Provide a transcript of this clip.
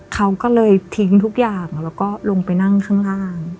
เขาก็เลยทิ้งทุกอย่างแล้วก็ลงไปนั่งข้างล่าง